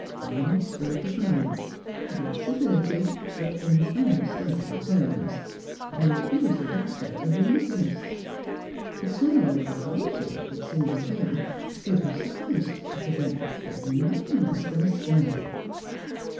Arnold spoke his mind; with civility, but in unmistakable terms; he accused the Doctor of remissness. "Paternal authority," it seemed to him, should have sufficed to prevent what threatened nothing less than a scandal.